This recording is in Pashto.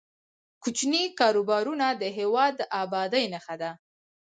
کوچني کاروبارونه د هیواد د ابادۍ نښه ده.